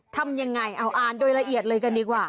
ทำยังไงเอาอ่านโดยละเอียดเลยกันดีกว่า